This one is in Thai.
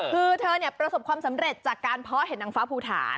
คือเธอประสบความสำเร็จจากการเพาะเห็ดนางฟ้าภูฐาน